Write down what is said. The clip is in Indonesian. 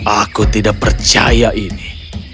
aku tidak percaya ini